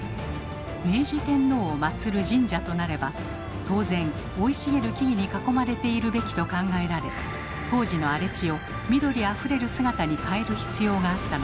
明治天皇を祀る神社となれば当然生い茂る木々に囲まれているべきと考えられ当時の荒れ地を緑あふれる姿に変える必要があったのです。